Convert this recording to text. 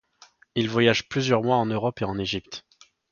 Il voyage plusieurs mois en Europe et en Égypte.